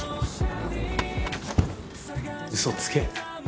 嘘つけ。